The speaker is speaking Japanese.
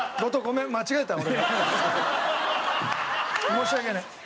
申し訳ない。